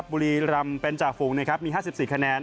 บุรีรำเป็นจากฟูง๕๔คะแนน